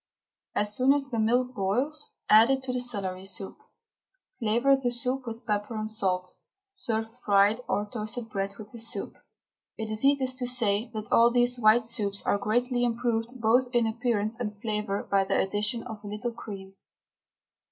As soon as the milk boils add it to the celery pulp, flavour the soup with pepper and salt; serve fried or toasted bread with the soup. It is needless to say that all these white soups are greatly improved both in appearance and flavour by the addition of a little cream.